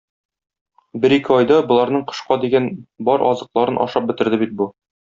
Бер-ике айда боларның кышка дигән бар азыкларын ашап бетерде бит бу.